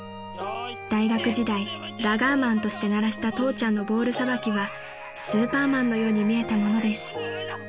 ［大学時代ラガーマンとして鳴らした父ちゃんのボールさばきはスーパーマンのように見えたものです］